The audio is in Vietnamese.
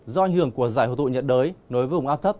do ảnh hưởng của dạy hộ tụ nhận đới nối vùng áp thấp